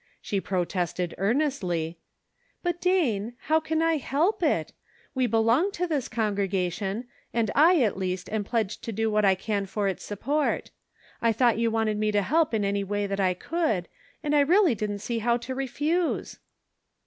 She protested earn estly :" But, Dane, how can I help it ? We belong to this congregation, and I, at least, am pledged 48 The Pocket Measure. to do what I can for its support. I thought you wanted me to help in any way that I could, and I really didn't see how to refuse."